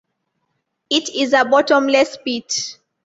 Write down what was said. It is a bottomless pit.